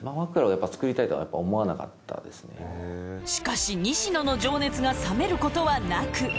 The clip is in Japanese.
しかし西野の情熱が冷めることはなく。